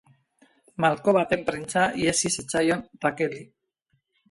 Malko baten printza ihesi zitzaion Rakeli.